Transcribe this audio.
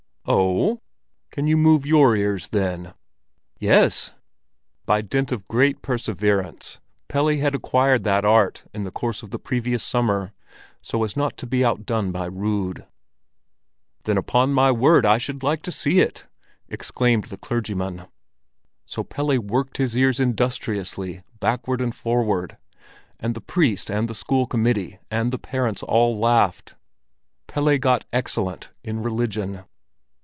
"O oh? Can you move your ears, then?" "Yes." By dint of great perseverance, Pelle had acquired that art in the course of the previous summer, so as not to be outdone by Rud. "Then, upon my word, I should like to see it!" exclaimed the clergyman. So Pelle worked his ears industriously backward and forward, and the priest and the school committee and the parents all laughed. Pelle got "excellent" in religion.